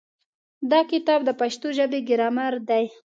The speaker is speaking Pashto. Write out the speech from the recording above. دا کتاب د پښتو ژبې ګرامر دی.